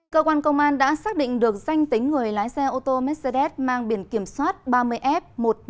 cơ quan công an đã xác định được danh tính người lái xe ô tô mercedes mang biển kiểm soát ba mươi f một mươi năm nghìn bốn trăm bảy mươi tám